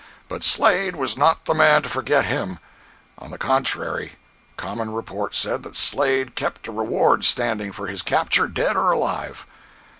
But Slade was not the man to forget him. On the contrary, common report said that Slade kept a reward standing for his capture, dead or alive!